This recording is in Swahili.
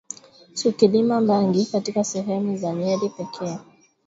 Tukilima bangi katika sehemu za Nyeri pekee